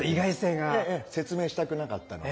ええ説明したくなかったので。